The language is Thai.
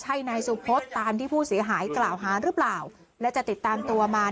ใช่นายสุพศตามที่ผู้เสียหายกล่าวหาหรือเปล่าและจะติดตามตัวมา